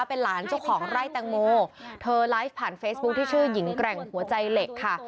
เป็นหลานเจ้าของไร่แตงโมเธอไลฟ์ผ่านเฟซบุ๊คที่ชื่อหญิงแกร่งหัวใจเหล็กค่ะ